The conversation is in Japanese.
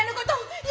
いや！